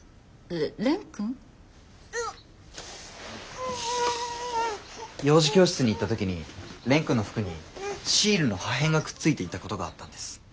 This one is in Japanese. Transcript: れ蓮くん？幼児教室に行った時に蓮くんの服にシールの破片がくっついていたことがあったんです。